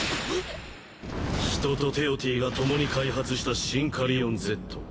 ヒトとテオティが共に開発したシンカリオンＺ。